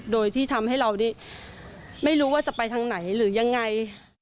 โดยที่ทำให้เราไม่รู้ว่าจะไปทางไหนหรือยังไง